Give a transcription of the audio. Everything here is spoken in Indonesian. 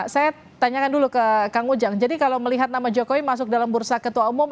saya tanyakan dulu ke kang ujang jadi kalau melihat nama jokowi masuk dalam bursa ketua umum